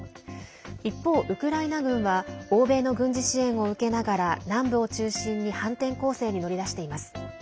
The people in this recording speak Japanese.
一方、ウクライナ軍は欧米の軍事支援を受けながら南部を中心に反転攻勢に乗り出しています。